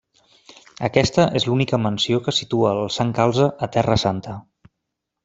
Aquesta és l'única menció que situa el Sant Calze a Terra Santa.